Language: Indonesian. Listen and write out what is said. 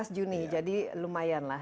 dua belas juni jadi lumayan lah